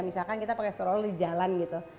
misalkan kita pakai stroller di jalan gitu